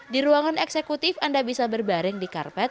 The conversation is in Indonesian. di ruangan eksekutif anda bisa berbaring di karpet